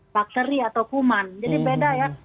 bakteri atau kuman jadi beda ya